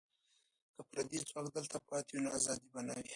که پردي ځواک دلته پاتې وي، نو ازادي به نه وي.